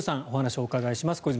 お話をお伺いします。